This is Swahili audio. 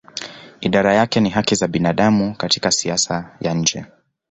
Idara yake ni haki za binadamu katika siasa ya nje.